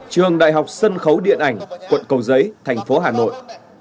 trường đại học sân khấu điện ảnh quận cầu giấy thành phố hà nội